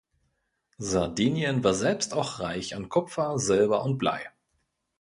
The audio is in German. Sardinien war selbst auch reich an Kupfer, Silber und Blei.